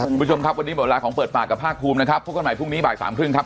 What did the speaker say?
คุณผู้ชมครับวันนี้เปิดปากกับภาคภูมินะครับ